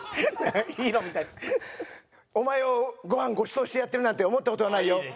お前をご飯ごちそうしてやってるなんて思った事はないよ。